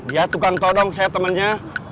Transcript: ya tukang todong saya temennya